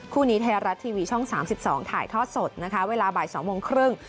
คู่นี้ไทยรัฐทีวีช่อง๓๒ถ่ายทอดสดนะคะเวลาบ่าย๒โมงครึ่ง